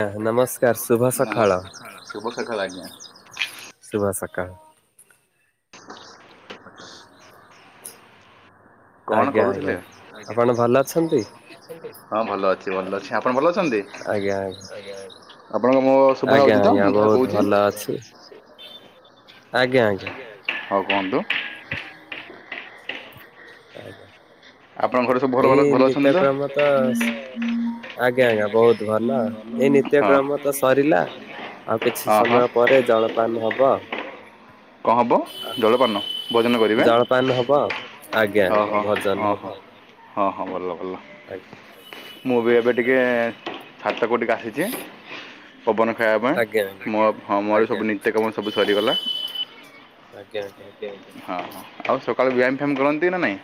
ନମସ୍କାର ଶୁଭ ସକାଳ ନମସ୍କାର, ଶୁଭ ସକାଳ ଆଜ୍ଞା। ଶୁଭ ସକାଳ। କଣ ଆଜ୍ଞା ଆଜ୍ଞା। କରୁଥିଲେ? ଆପଣ ଭଲ ଅଛନ୍ତି? ହଁ ଭଲ ଅଛି, ଭଲ ଅଛି, ଆପଣ ଭଲ ଅଛନ୍ତି, ଆଜ୍ଞା ଆଜ୍ଞା ଆପଣଙ୍କ ମୋ ଆଜ୍ଞା ଶୁଭାହଉଚି ତ? ଆଜ୍ଞା ମୁଁ ଯହା ବହୁତ କହୁଛି। ଭଲ ଅଛି ଆଜ୍ଞା ଆଜ୍ଞା। ହଉ କୁହନ୍ତୁ। ଆଜ୍ଞା। ଆପଣଙ୍କ ଘରେ ସବୁ ଭଲ ଭଲ ଏଇ ଭଲ ଅଛନ୍ତି ନିତ୍ୟକ୍ରମ ତ? ଆଜ୍ଞା ଆଜ୍ଞା ବହୁତ ଭଲ ଏଇ ହଁ ନିତ୍ୟକ୍ରମ ତ ସରିଲା। ଆଉ କିଛି ହଁ ହଁ ସମୟ ପରେ ଜଳପାନ ହବ ଆଉ। କଣ ହବ ଜଳପାନ? କରିବେ ଜଳପାନ ହବ। ଆଜ୍ଞା ଅ ହ ଆଜ୍ଞା ଭଜନ ଅ ହବ ହ ହଁ ହଁ ଭଲ। ଆଜ୍ଞା ମୁଁ ବି ଏବେ ଆଜ୍ଞା ଟିକେ ଆଜ୍ଞା ଛାତ କୋଠିକି ଆସିଛି। ପବନ ଖାଇବା ପାଇଁ, ଆଜ୍ଞା। ମୋ ହଁ ମୋର ଆଜ୍ଞା ସବୁ ନିତ୍ୟକାମ ସବୁ ସରିଗଲା। ଆଜ୍ଞା ଆଜ୍ଞା। ହଁ ହଁ ଆଉ ସକାଳୁ ବ୍ୟାୟାମ ଫ୍ୟାୟାମ କରନ୍ତି ନା ନାଇଁ?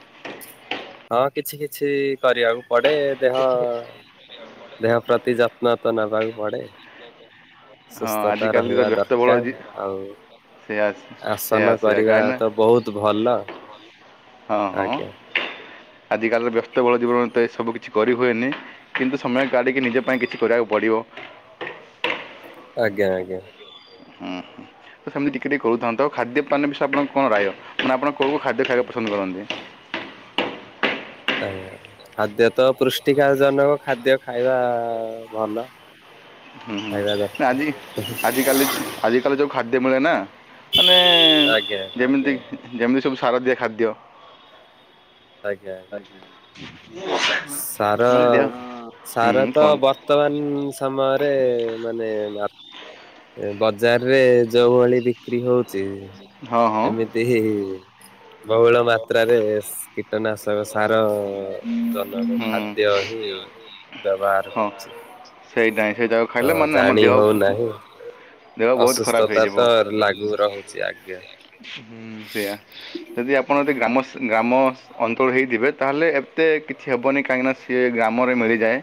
ହଁ କିଛି କିଛି କରିବାକୁ ପଡେ, ଦେହ ଦେହ ପ୍ରତି ଯତ୍ନ ତ ନେବାକୁ ପଡେ। ହଁ ସୁସ୍ଥତା ଆଜିକାଲିର ରହିବା ବ୍ୟସ୍ତବହୁଳ ଦରକାର, ଜୀ- ଆଉ ସେୟା ସେୟା ଆସନ ସେୟା କରିବା କାହିଁକିନା ତ ବହୁତ ଭଲ। ହଁ ହଁ। ଆଜ୍ଞା ଆଜିକାଲିର ବ୍ୟସ୍ତବଳ ଜୀବନ ଭିତରେ ସବୁ କିଛି କରିହୁଏନି, କିନ୍ତୁ ସମୟ କାଢ଼ିକି ନିଜ ପାଇଁ କିଛି କରିବାକୁ ପଡ଼ିବ। [inaudible] ଆଜ୍ଞା ଆଜ୍ଞା। ହୁଁ ତ ସେମିତି ଟିକେ ଟିକେ କରୁଥାନ୍ତୁ, ଆଉ ଖାଦ୍ୟ ପାନ ବିଷୟରେ ଆପଣ କଣ ରାୟ, ମାନେ ଆପଣ କଉ ଖାଦ୍ୟ ଖାଇବା ପସନ୍ଦ କରନ୍ତି? ହ ଆଜ୍ଞା ଖାଦ୍ୟ ତ ପୃଷ୍ଟିକାର ଜନକ ଖାଦ୍ୟ ଖାଇବା ଭଲ। ହ ଖାଇବା ନାଁ ଦରକାର ଆଜି ଆଜିିକାଲି ଆଜିିକାଲି ଯୋଉ ଖାଦ ମିଳେ ନା ମାନେ ଆଜ୍ଞା ଯେମିତି ଯେମିତି ସବୁ ସାରଦିଆ ଖାଦ୍ୟ। ଆଜ୍ଞା ଆଜ୍ଞା। ସାର ମାନେ ଦେହ ହୁଁ ସାର ହୁଁ ତ କୁହନ୍ତୁ ବର୍ତ୍ତମାନ ସମୟରେ ମାନେ ବଜାରରେ ଯୋଉ ଭଳି ବିକ୍ରି ହଉ ହଁ ହଁ ଏମିତି ବହୁଳ ମାତ୍ରାରେ କୀଟନାଶକ ସାର ଜନକ ହୁଁ ଖାଦ୍ୟ ହିଁ ବ୍ୟବହାର ହଁ ହଉଛି ସେଇଟା ହିଁ ସେଇଟାକୁ ତ ଖାଇଲେ ମାନେ ଆମ ଜାଣି ଦେହ ହଉନାହିଁ ଦେହ ବହୁତ ଖରାପ ଅସୁସ୍ଥତା ହେଇଯିବ ତ ଲାଗୁ ରହୁଛି ଆଜ୍ଞା। ହୁଁ ସେଇୟଆ ଯଦି ଆପଣ ଏ ଗ୍ରାମ ଗ୍ରାମ ଅଞ୍ଚଳ ହୋଇଇଥିବେ ତାହେଲେ ଏତେ କିଛି ହେବନି କାହିଁକିନା ସିଏ ଗ୍ରାମରେ ମିଳିଯାଏ।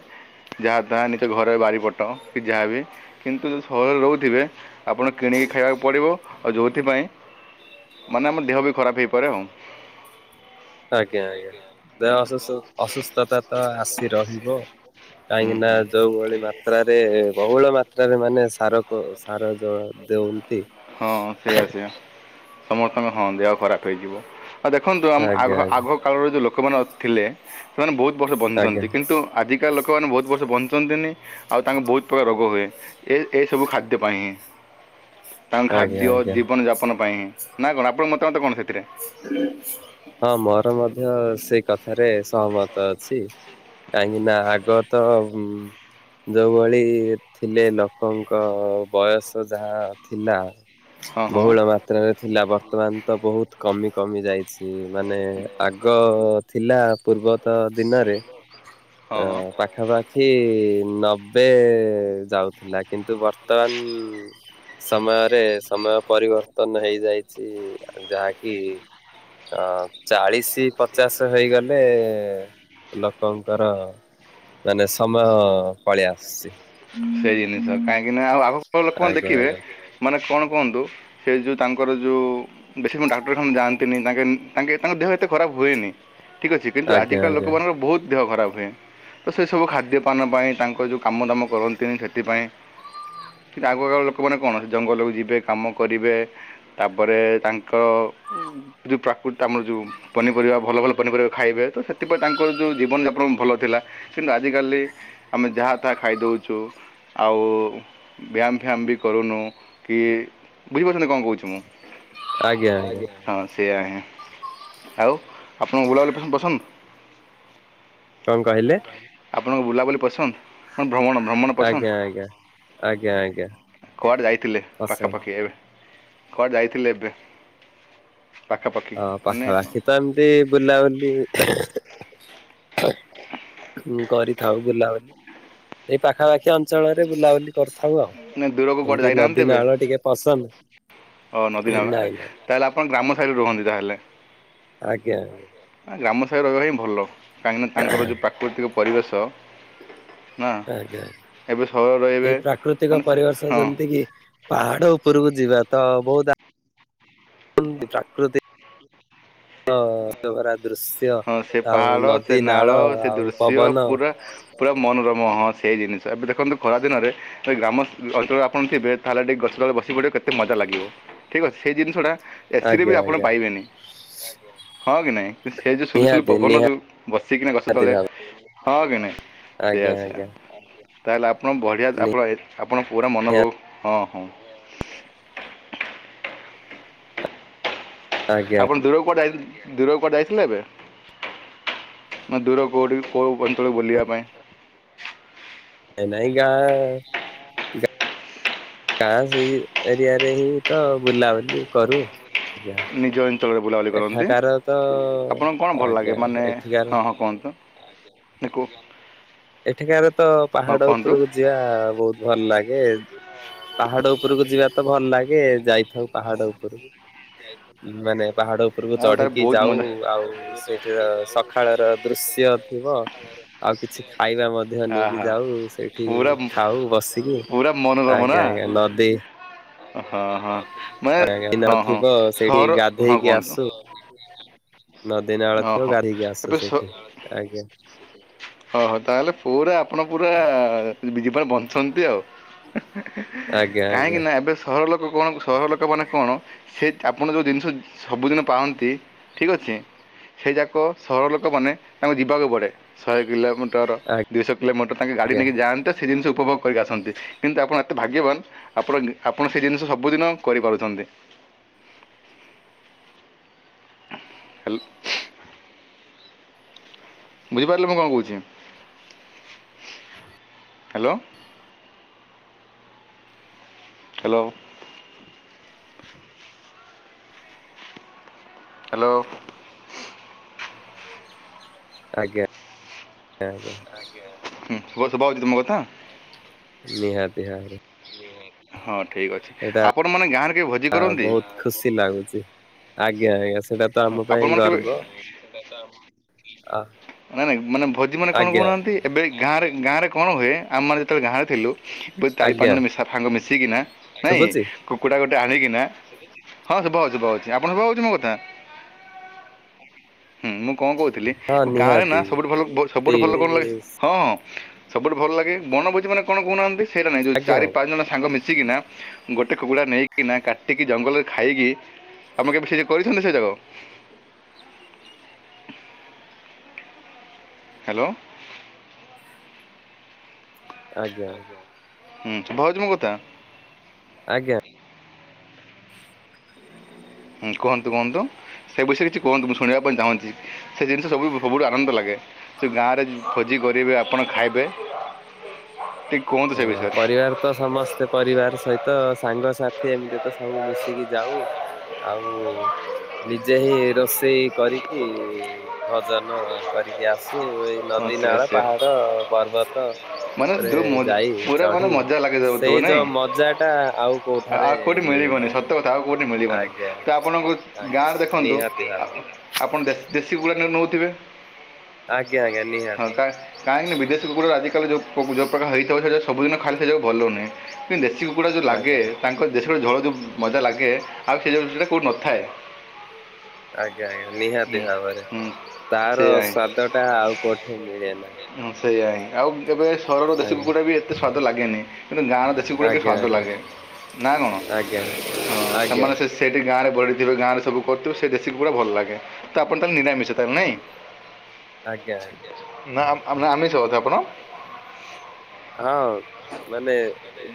ଯାହା ତାହା ନିଜ ଘରେ ବାରିପଟ କି ଯାହାବ କିନ୍ତୁ ଯି ସହରରେ ରହୁଥିବେ ଆପଣ କିଣିକି ଖାଇବାକୁ ପଡ଼ିବ ଆଉ ଯେଉଥିପାଇ ମାନେ ଆମ ଦେହ ବି ଖରାପ ହେଇପାରେ ଆଉ। ଆଜ୍ଞା ଆଜ୍ଞା ଦେ ଅସୁଥ ଅସୁସ୍ଥତା ତ ଆସି ରହିବ ହୁଁ କାଇହିକି ନା ହୁଁ ଜଉଳି ମାତ୍ରାରେ ବହୁଳ ମାତ୍ରାରେ ମାନେ ସାର ସାର ଜଳ ଦଉନ୍ତି ହଁ ସେଇୟା ସେଇଆ ସମସ୍ତଙ୍କେ ହଁ ଦେହ ଖରାପ ହେଇଯିବ। ଆ ଦେଖନ୍ତୁ ଆମ ଆଜ୍ଞା ଆ ଆଜ୍ଞା ଆଗ କାଳରେ ଯୋଉ ଲୋକମାନେ ଥିଲେ ସେମାନେ ବହୁତ ବର୍ଷ ଆଜ୍ଞା ବଞ୍ଚିଛନ୍ତି କିନ୍ତୁ ଆଜିକା ଲୋକମାନେ ବହୁତ ବର୍ଷ ବଞ୍ଚ ଆଛନ୍ତିନି ଆଉ ତାଙ୍କୁ ବହୁତ ପ୍ରକାର ରୋଗ ହୁଏ ଏ ଏସବୁ ଖାଦ୍ୟ ପାଇଁ ହିଁ। ତାଙ୍କ ଆଜ୍ଞା ଖାଦ୍ୟ ଆଜ୍ଞା ଜୀବନ ଯାପନ ପାଇଁ ନା କଣ ଆପଣ ମୋତ ମତେ କଣ ସେଥି ହୁଁ। ହଁ ମୋର ମଧ୍ୟ ସେଇ କଥାରେ ସହମତ ଅଛି କାହିଁକି ନା ଆଗ ତ ଯୋଉଭଳି ଥିଲେ ଲୋକଙ୍କ ବୟସ ତ ଯାହା ଥିଲା ହଁ ହଁ ବହୁଳ ମାତ୍ରାରେ ଥିଲା ବର୍ତ୍ତମାନ ତ ବହୁତ କମି କମି ଯାଇଛି ମାନେ ଆଗ ଥିଲା ପୂର୍ବତ ଦିନରେ ହଁ ଅ ହଁ ପାଖାପାଖି ନବେ ଯାଉଥିଲା କିନ୍ତୁ ବର୍ତ୍ତମାନ ବ ସମୟରେ ସମୟ ପରିବର୍ତ୍ତନ ହେଇଯାଇଛି ଯାହାକି କି ଅ ଚାଳିଶ ପଚାଶ ହେଇଗଲେ ଲୋକଙ୍କର ମାନେ ସମୟ ପଳେଇ ଆସୁଛି। ସେଇ ଜିନିଷ କାହିଁକି ନା ଆଉ ଆଗ ଲୋକମାନେ ଆଜ୍ଞା ଦେଖିବେ ଆଜ୍ଞା। ମାନେ କଣ କୁହନ୍ତୁ ସେ ଯେଉଁ ତାଙ୍କର ଯେଉଁ ବୀ ଡାକ୍ତରଖାନା ଯାଆନ୍ତିନି ତାଙ୍କେ ତାଙ୍କେ ତାଙ୍କ ଦେହ ଏତେ ଖରାପ ହୁଏନି ଠିକ୍ ଅଛି କିନ୍ତୁ ଆଜ୍ଞା ଆଜିକାଳ ଆଜ୍ଞା ଲୋକମାନଙ୍କର ବହୁତ ଦେହ ଖରାପ ହୁଏ ତ ସେସବୁ ଖାଦ୍ୟପାନ ପାଇଁ ତାଙ୍କର ଯେଉଁ କାମ ଦାମ କରନ୍ତି ଣି ସେଥିପାଇଁ କିନ୍ତୁ ଆଗକାଳ ଲୋକମାନେ କଣ ଜଙ୍ଗଲକୁ ଯିବେ କାମ କରିବେ ତାପରେ ତାଙ୍କର ଯୋଉ ପ୍ରାକୃତି ଆମର ଯୋଉ ପନିପରିବା ଭଲ ଭଲ ପନିପରିବା ଖାଇବେ ତ ସେଥିପାଇଁ ତାଙ୍କର ଯୋଉ ଜୀବନ ପ ଭଲ ଥିଲା କିନ୍ତୁ ଆଜିକାଲି ଆମେ ଯାହା ତାହା ଖାଇଦେଉଛୁ ଆଉ ବ୍ୟାୟାମ ଫ୍ୟାମ ବି କରୁନୁ କି ବୁଝିପାରୁଛନ୍ତି କଣ କହୁଛି ମୁଁ ଆଜ୍ଞା ଆଜ୍ଞା। ସେୟା ହଁ ଆଉ ଆପଣଙ୍କୁ ବୁଲାବାଲି ପସନ୍ଦ? କଣ କହିଲେ ଆପଣଙ୍କ ବୁଲା ବଲି ପସନ୍ଦ କଣ ଭ୍ରମଣ ଭ୍ରମଣ ପସନ୍ଦ ଆଜ୍ଞା ଆଜ୍ଞା। ଆଜ୍ଞା ଆଜ୍ଞା କୁଆଡେ ଯାଇଥିଲେ ପସନ୍ଦ ପାଖାପାଖି ଏବେ କୁଆଡେ ଯାଇଥିଲେ ଏବେ? ପାଖାପାଖି ହଁ ମାନେ ପାଖାପାଖି ତ ଏମତି ବୁଲାବୁଲି ହଁ କରିଥାଉ ବୁଲାବୁଲି ଏଇ ପାଖାପାଖି ଅଞ୍ଚଳରେ ବୁଲାବୁଲି କରିଥାଉ ଆଉ। ମାନେ ଦୂରକୁ କୁଆଡ଼େ ଏମତି ନଦୀନାଳ ଟିକେ ପସନ୍ଦ ହ ନଦୀ ନାଳ ଆରେ ନାଇଁ ନାଇଁ ତାହେଲେ ଆପଣ ଖାଇ ରୁହନ୍ତି ତାହେଲେ। ଆଜ୍ଞା ଆଜ୍ଞା। କଥା ରହିବା ହିଁ ଭଲ କାହିଁକିନା ତାଙ୍କର ଯେଉଁ ପ୍ରାକୃତିକ ପରିବେଶ ନା ଆଜ୍ଞା ଏବେ ସହର ରହିବେ ଏଇ ପ୍ରାକୃତିକ ମାନେ ସେ ପରିବେଶ ହଁ ଯେମିତି କି ପାହାଡ ଉପରକୁ ଯିବା ତ ବହୁତ [unintelligible] ପ୍ରାକୃତି ଅ ମନଭରା ଦୃଶ୍ୟ ହଁ ସେ ଆଉ ପାହାଡ଼ ସେ ନଦୀ, ନାଳ ସେ ଆଉ ଦୃଶ୍ୟ ପବନ ପୁରା ପୁରା ମନୋରମ ହଁ ହଁ ସେଇ ଜିନିଷ ଏବେ ଦେଖନ୍ତୁ ଖରା ଦିନରେ ଏ ଗ୍ରାମ ଅଞ୍ଚଳରେ ଆପଣଥିବେ, ତାହେଲେ ଟିକେ ଗଛ ତଳେ ବସି ପଡ଼ିବେ କେତେ ମଜା ଲାଗିବ ଠିକ୍ ଅଛି ସେଇ ଜିନିଷଟା ଏ ସି ରେ ବି ଆଜ୍ଞା ଆପଣ ଆଜ୍ଞା ପାଇବେନି ହଁ କି ନାଇଁ? ସେ ଯୋଉ ସୁଲୁସୁଲୁ ନିହାତି ପବନ ଦଉ ବସିକିନା ଗଛ ନିହାତି ତଳେ ଭାବ ହଁ କି ନାହିଁ? ସେଇଆ ଆଜ୍ଞା - ସେଇଆ ଆଜ୍ଞା। ତାହେଲେ ଆପଣ ବଢ଼ିଆ ଆପଣ ଆପଣ ପୁରା ନିହା ମନୋଭବ ହଁ ହଁ। ଆଜ୍ଞା ଆପଣ ଦୂରକୁ କୁଆଡେ ଯାଇ ଦୂରକୁ କୁଆଡେ ଯାଇଥିଲେ ଏବେ? ହଁ ଦୂରକୁ କୋଉଠି କୋଉ [unintelligible] ବୁଲିଆ ପାଇଁ। ନାଇଁ ଗାଁ ଗାଁ ସେଇ ଏରିଆରେ ହିଁ ତ ବୁଲାବୁଲି କରୁ। ଆଜ୍ଞା ନିଜ [unintelligible] ବୁଲା ବୁଲି କରନ୍ତି ଏଠାକାର ତ ଆପଣଙ୍କୁ କଣ ଭଲ ଆଜ୍ଞା ଲାଗେ? ମାନେ ଏଠିକାର ହଁ କୁହନ୍ତୁ ଏକୁ। ଏଠିକାରେ ତ ପାହାଡ ଉପରକୁ ଯିବା ବହୁତ ଭଲ ଲାଗେ। ପାହାଡ ଉପରକୁ ଯିବା ତ ଭଲ ଲାଗେ ଯାଇଥାଉ ପାହାଡ ଉପରକୁ। ମାନେ ପାହାଡ ଉପରକୁ ଆଉ ତାର ଚଢିକି ବହୁତ ଯାଉ ମଜା ଆଉ ସେଇଠିର ସକାଳର ଦୃଶ୍ୟ ଶ୍ୟ ଥିବ ଆଉ କିଛି ଖାଇବା ମଧ୍ୟ ନେଇକି ଆହା ଯାଉ ସେଇଠି ପୁରା ଖାଉ ବସିକି ପୁରା ମନୋରମ ନା ଆଜ୍ଞା -ଆଜ୍ଞା ନଦୀ। ହଁ -ହଁ ମା ଏ - ହଁ- ହଁ ତ ସେଇଠି ସହର ହଁ ଗାଧେଇକି କୁହନ୍ତୁ ଆସୁ ନଦୀ ନାଳ ହଁ ଥିବ ହଁ ଗାଧେଇକି ଆସୁ ସେଇଠି ଆଜ୍ଞା। ଓ ହୋ ତାହେଲେ ପୁରା ଆପଣ ପୁରା [unintelligible] ବଞ୍ଚନ୍ତି ଆଉ। ଆଜ୍ଞା କାହିଁକି ଆଜ୍ଞା ନା ଏବେ ସରଳ ଲୋକ କଣ ସରଳ ଲୋକ ମାନେ କଣ? ସେ ଆପଣ ଯୋଉ ଜିନିଷ ସବୁଦିନେ ପାଳନ୍ତି, ଠିକ୍ ଅଛି ସେ ସେଇ ଯାକ ସହର ଲୋକମାନେ ତାଙ୍କୁ ଯିବାକୁ ପଡେ। ଶହେ କିଲୋମିଟର ଦୁଇଶହ କିଲୋମିଟର ତାଙ୍କେ ଗାଡ଼ି ଆଜ୍ଞା ନେଇକି ଯାଆନ୍ତେ ସେ ଜିନିଷ ଉପଭୋଗ କରିକି ଆସନ୍ତି, କିନ୍ତୁ ଆପଣ ଏତେ ଭାଗ୍ୟବାନ ଆପଣ ଆପଣ ସେ ଜିନିଷ ସବୁଦିନ କରିପାରୁଛନ୍ତି। [inaudible] ହ୍ୟାଲ। ବୁଝିପାରିଲେ ମୁଁ କଣ କହୁଛି? ହ୍ୟାଲୋ। ହ୍ୟାଲୋ। ହ୍ୟାଲୋ। ଆଜ୍ଞା। ଆଜ୍ଞା ହୁଁ କୁହ ଶୁଭାଯାଉଛି ତ ମୋ କଥା? ନିହାତି ଭାବରେ। ହଁ ଠିକ ଅଛି ଏଇଟା ଆପଣ ମାନେ ଗାଁରେ କେହି ଭୋଜି କରନ୍ତି? ବହୁତ ଖୁସି ଲାଗୁଛି ଆଜ୍ଞା -ଆଜ୍ଞା ସେଇଟା ତ ଆମ ପାଇଁ ଗର୍ବ। ଆ ନାଇ ନାଇଁ ମାନେ ଭୋଜି ମାନେ କଣ ଆଜ୍ଞା କହୁନାହାନ୍ତି? ଏବେ ଗାଁ ରେ ଗାଁରେ କଣ ହୁଏ ଆମେ ମାନେ ଯେତେବେଳେ ଗାଁରେ ଥିଲୁ ଚାରି ପାଞ୍ଚ ଆଜ୍ଞା ଜଣ ମିଶା ସାଙ୍ଗ ମିଶିକିନା ନାଇଁ ଶୁଭୁଛି କୁକୁଡ଼ା ଗୋଟେ ଆଣିକି ନା ହଁ ଶୁଭା ହଉଛି ଶୁଭା ହଉଛି ଆପଣଙ୍କୁ ଶୁଭା ହଉଛି ମୋ କଥା? ହୁଁ ମୁଁ କଣ କହୁଥିଲି ହଁ ଗାଁ ରେ ନା ନିହାତି ସବୁଠୁ ଭଲ ସବୁଠୁ ଭଲ ଭଲ ଲାଗେ ହଁ। ସବୁଠୁ ଭଲ ଲାଗେ ବନଭୋଜି ମାନେ କଣ କହୁନାହାନ୍ତି? ସେଇଟା ନାଇଁ ଯୋଉ ଆଜ୍ଞା ଆଜ୍ଞା ଚାରି ପାଞ୍ଚ ଜଣ ସାଙ୍ଗ ମିଶିକିନା ଗୋଟେ କୁକୁୁଡା ନେଇକିନା କାଟିକି ଜଙ୍ଗଲରେ ଖାଇକି ଆମ କେବେ ସେ ଯେ କରିଛନ୍ତି ସେ ଯାକ [inaudible] ହ୍ୟାଲୋ। ଆଜ୍ଞା। ହୁଁ ଭାବୁଚୁ ମ କଥା। ଆଜ୍ଞା। ହୁଁ କୁହନ୍ତୁ କୁହନ୍ତୁ। ସେ ବିଷୟରେ କିଛି କୁହନ୍ତୁ ମୁଁ ଶୁଣିବା ପାଇଁ ଚାହୁଁଛି ସେ ଜିନିଷ ସବୁ ସବୁଠୁ ଆନନ୍ଦ ଲାଗେ ସେ ଗାଁରେ ଭୋଜି କରିବେ ଆପଣ ଖାଇବେ ଟିକେ କୁହନ୍ତୁ ସେ ଏ ବିଷୟରେ ପରିବାର ତ ସମସ୍ତେ ପରିବାର ସହିତ ସାଙ୍ଗସାଥି ଏମିତି ତ ସବୁ ମିଶିକି ଯାଉ ଆଉ [unintelligible] ନିଜେ ହିଁ ରୋଷେଇ କରିକି ଭଜନ କରିକି ଆସ ନ୍ତୁ ଏଇ ନଦୀ ଆଚ୍ଛା ନାଳ ଆଚ୍ଛା ପାହାଡ଼ ପର୍ବତ ମାନେ ଉପରେ ଯେଉଁ ମ- ଯାଇ ପୁରା ମାନେ ଚଢି ମଜା ଲାଗେ ଯାଉଥିବ ସେଇ ନାଇଁ ଯୋଉ ମଜା ଟା ଆଉ ଆ- କୋଉଠାରେ ଆଉ କେଉଁଠି ମିଳିବନି ମିଳୁନାହିଁ। ସତ କଥା ଆଉ କେଉଁଠି ମିଳିବନି ଆଜ୍ଞା ଆଜ୍ଞା। ତ ଆପଣଙ୍କୁ ଆଜ୍ଞା ଗାଁରେ ଦେଖନ୍ତୁ ନିହାତି ଆ ଭାବରେ ଆପଣ ଦେଶି ଦେଶି କୁକୁଡ଼ା ଏଣେ ନେଉଥିବେ। ଆଜ୍ଞା ଆଜ୍ଞା ହଁ ନିହାତି କାଇ କାହିଁକି ନା ବିଦେଶ କୁକୁଡ଼ା ର ଆଜି ଯେତେଳେ ଯୋଉ ଯପାକା ହେଇଥାଉ ସେଟା ସବୁଦିନ ଖାଇଲେ ସେଇାକୁ ଭଲ ନୁହଁ କିନ୍ତୁ ଦେଶୀ କୁକୁଡ଼ା ଯେଉଁ ଲାଗେ ଆଜ୍ଞା ତାଙ୍କ ଦେଶୀ ସେତଳେ ଝଳ ଯେଉଁ ମଜା ଲାଗେ ଆଉ ସେ ଜିନିସଟା କେଉଁଠି ନଥାଏ। ଆଜ୍ଞା ଆଜ୍ଞା ହୁଁ ନିହାତି ଭାବରେ ହୁଁ ତାର ସେଇଆ ହିଁ ସ୍ଵାଦ ଟା ଆଉ କୋଠି ମିଳେ ନାହିଁ। ହୁଁ ସେଇଆ ହିଁ ଆଉ କେବେ ସହରର ଦେଶୀ ଆଜ୍ଞା। କୁକୁଡ଼ା ବି ଏତେ ସ୍ୱାଦ ଲାଗେନି କିନ୍ତୁ ଗାଁର ଦେଶୀ କୁକୁଡ଼ା ଟିକେ ଆଜ୍ଞା ସ୍ୱାଦ ଆଜ୍ଞା ଲାଗେ। ନା କଣ ଆଜ୍ଞା ହଁ ଆଜ୍ଞା ସେମାନେ ସେ ସେଠି ଗାଁରେ ବଢିଥିବେ ଗାଁରେ ସବୁ କରିଥିବ ସେ ଦେଶୀ କୁକୁଡ଼ା ଭଲ ଲାଗେ ତ ଆପଣ ତାହେଲେ ନିରାମିଷା ତାହେଲେ ନାଇଁ। ଆଜ୍ଞା ଆଜ୍ଞା ନା ଆ, ଆମିଷ ବୋଧେ ଆପଣ। ହଁ ମାନେ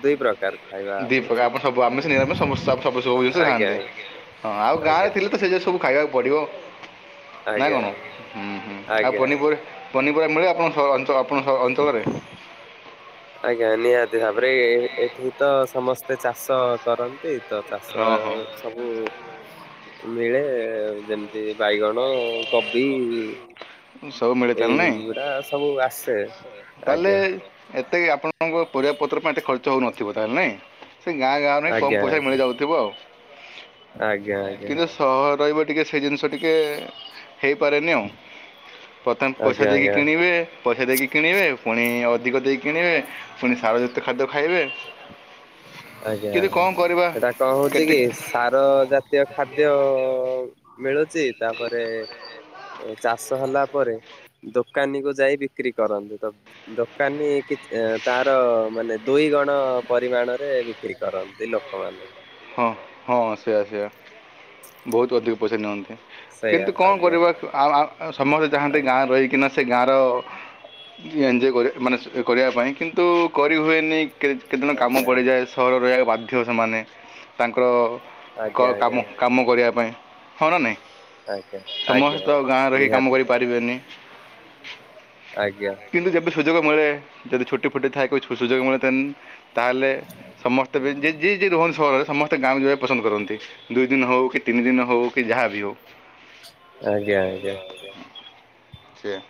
ଦୁଇ ପ୍ରକା ଦି ପ୍ରକାର ଦୀ ପ୍ରକାର ଆପଣ ସବୁ ଆମିଷ ନୀରାମିଷ ସବୁ ଖାଆନ୍ତି ଆଜ୍ଞା। ହଁ ଆଉ ଗାଁ ରେ ଆଜ୍ଞା ଥିଲେ ତ ସେ ଯେ ସବୁ ଖାଇବାକୁ ପଡ଼ିବ ନା ଆଜ୍ଞା କଣ ଉହୁଁ ଆଉ ଆଜ୍ଞା ଆଜ୍ଞା ଆଜ୍ଞା ପନିପରି ପନିପ ପୁରା ମିଳେ ଆପଣଙ୍କ ସହ ଅଞ୍ଚ ଆପଣ ଅଞ୍ଚଳରେ। ଆଜ୍ଞା ନିହାତି ଭାବରେ ଏ ଏଠି ତ ସମସ୍ତେ ଚାଷ କରନ୍ତି। ତ ଚାଷ ହଁ ହଁ ସବୁ ମିଳେ ଯେମିତି ବାଇଗଣ କୋବି ସବୁ ମିଳେ ତାହେଲେ ନାଇଁ ଏଗୁଡ଼ା ସବୁ ଆସେ। ତାହେଲେ ଆଜ୍ଞା ଏତେ ଆପଣଙ୍କ ପରିବା ପତ୍ର ପାଇଁ ଏତେ ଖର୍ଚ୍ଚ ହଉନଥିବ ତାହେଲେ ନାଇଁ। ସେ ଗାଁ ଗାଁରେ ହିଁ କମ ଆଜ୍ଞା ପଇସା ଆଜ୍ଞା ମିଳିଯାଉଥିବ ଆଉ ଆଜ୍ଞା କିନ୍ତୁ ସହର ରହିବ ଟିକେ ସେ ଜିନିଷ ଟିକେ ହେଇପାରେନି ଆଉ ପ୍ରଥମେ ପଇସା ଆଜ୍ଞା ଦେଇକି ଆଜ୍ଞା କିଣିବେ ପଇସା ଦେଇକି କିଣିବେ ପୁଣି ଅଧିକ ଦେଇକି କିଣିବେ ପୁଣି ସାରଜାତିୟ ଖାଦ୍ୟ ଖାଇବେ। ଆଜ୍ଞା କିନ୍ତୁ ଆଜ୍ଞା କ'ଣ କରିବା ଏଟା କଣ ହଉଛି କେତେ କି ସାର ଜାତୀୟ ଖାଦ୍ୟ ଅ ମିଳୁଚି ତାପରେ ଉ ଚାଷ ହେଲା ପରେ ଦ ଦୋକାନୀ କୁ ଯାଇ ବିକ୍ରି କରନ୍ତି ଦ ଦୋକାନୀ କି ଏ ତାର ମାନେ ଦୁଇ ଗୁଣ ପରିମାଣରେ ବିକ୍ରି କରନ୍ତି ଲୋକମାନେ। ହଁ ହଁ ସେଇଆ ସେଇଆ। ବହୁତ ଅଧିକ ପଇସା ନିଅନ୍ତି ସେଇଆ କିନ୍ତୁ କଣ ଆଜ୍ଞା କରିବା ଆ, ଆ, ସମସ୍ତେ ଚାହାନ୍ତି ଆଜ୍ଞା ଗାଁ ରହିକିନା ସେ ଗାଁର ଏଞ୍ଜୟ କରି ମାନେ କରିବା ପାଇଁ କିନ୍ତୁ କରିହୁଏନି। କେତ କେତେଜଣ କାମ ଆଜ୍ଞା ପଡ଼ିଯାଏ ସହର ରହିବାକୁ ବାଧ୍ୟ ସେମାନେ। ତାଙ୍କର ଆଜ୍ଞା ଆଜ୍ଞା କାମ କାମ କରିବା ପାଇଁ ହଁ ନା ନାହିଁ? ଆଜ୍ଞା ସମସ୍ତେ ଆଜ୍ଞା ତ ଆଜ୍ଞା ଗାଁ ରହିିକି କାମ ନିହାତି ଭାବେ କରିପାରିବେନି। ଆଜ୍ଞା। କିନ୍ତୁ ଯେବେ ସୁଯୋଗ ମିଳେ ଯଦି ଛୁଟି ଫୁଟି ଥାଏ କ ସୁଯୋଗ ମିଳେ ତାହେଲେ ସମସ୍ତେ ବି ଜିଏ ଏଇ ଯେ ରୁହନ୍ତି ସହରରେ ସମସ୍ତେ ଗାଁକୁ ଯିବାକୁ ପସନ୍ଦ କରନ୍ତି ଦୁଇ ଦିନ ହେଉ କି ତିନି ଦିନ ହେଉ କି ଯାହା ବିି ହେଉ। ଆଜ୍ଞା ଆଜ୍ଞା। ସେଇଆ।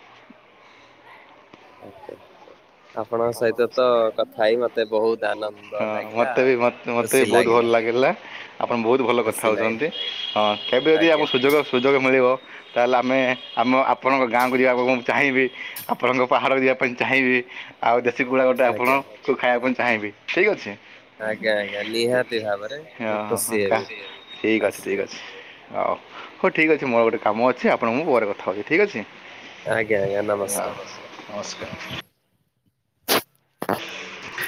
[inaudible] ଆପଣଙ୍କ ସହିତ ତ କଥା ହେଇ ମତେ ବହୁତ ଆନନ୍ଦ ହଁ ଲାଗିଲା ମୋତେ ଆଉ ବି ମୋତେ ବି ଖୁସି ବହୁତ ଭଲ ଲାଗିଲା। ଲାଗିଲା ଆପଣ ବହୁତ ଭଲ କଥା ଖୁସି ଲାଗିଲା ହେଉଛନ୍ତି ହଁ କେବେ ଯଦି ଆଜ୍ଞା ଆମକୁ ସୁଯୋଗ ସୁଯୋଗ ମିଳିବ। ତାହେଲେ ଆମେ ଆମ ଆପଣଙ୍କ ଗାଁକୁ ଯିବାକୁ ମୁଁ ଚାହିଁବି ଆପଣଙ୍କ ପାହାଡ଼କୁ ଯିବା ପାଇଁ ଚାହିଁବି। ଆଉ ଦେଶୀ କୁକୁଡ଼ା ଗୋଟେ ଆଜ୍ଞା ଆପଣଙ୍କୁୁ ଖାଇବା ପାଇଁ ଚାହିଁବି ଠିକ୍ ଅଛି। ହଁ ଆଜ୍ଞା ଆଜ୍ଞା ନିହାତି ଭାବରେ ମୁଁ ଖୁସି ହେବି ଠିକ ଅଛ ଠିକ ଆସିବେ ଅଛି। ହଉ ହଉ ଠିକ ଅଛି ମୋର ଗୋଟେ କାମ ଆଜ୍ଞା ଅଛି ଆପଣଙ୍କୁ ପରେ କଥା ହଉଛି ଠିକ୍ ଅଛି। ଆଜ୍ଞା ଆଜ୍ଞା ହଁ ନମସ୍କାର। ନମସ୍କାର। [inaudible]